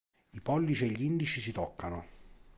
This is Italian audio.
I pollici e gli indici si toccano.